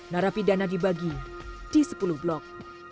narapidana dibagi di sepuluh blok